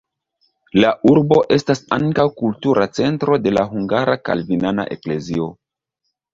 La urbo estas ankaŭ kultura centro de la hungara kalvinana eklezio.